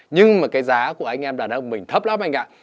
nhưng mà cái giá của anh em đàn ông mình thấp lắm anh ạ